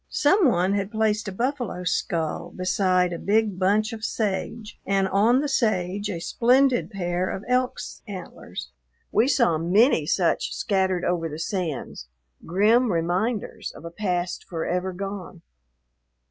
Some one had placed a buffalo's skull beside a big bunch of sage and on the sage a splendid pair of elk's antlers. We saw many such scattered over the sands, grim reminders of a past forever gone.